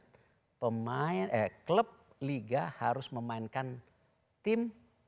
karena klub liga harus memainkan tim